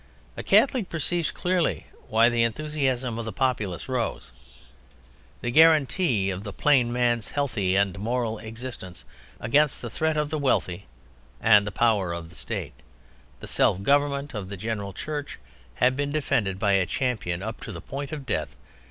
A Catholic perceives clearly why the enthusiasm of the populace rose: the guarantee of the plain man's healthy and moral existence against the threat of the wealthy, and the power of the State—the self government of the general Church, had been defended by a champion up to the point of death.